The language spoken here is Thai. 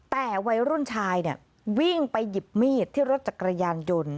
แต่วัยรุ่นชายเนี่ยวิ่งไปหยิบมีดที่รถจักรยานยนต์